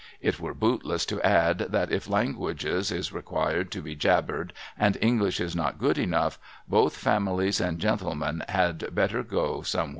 (It were bootless to add, that if languages is required to be jabbered and English is not good enough, both families and gentlemen had better go somewhere else.)